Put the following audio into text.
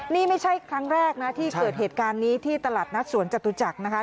นี่ไม่ใช่ครั้งแรกนะที่เกิดเหตุการณ์นี้ที่ตลาดนัดสวนจตุจักรนะคะ